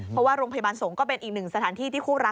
เพราะว่าโรงพยาบาลสงฆ์ก็เป็นอีกหนึ่งสถานที่ที่คู่รัก